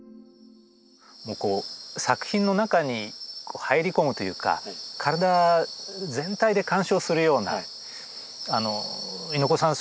こう作品の中に入り込むというか体全体で鑑賞するような猪子さん